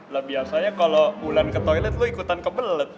lah biasanya kalo ulan ke toilet lu ikutan kebelet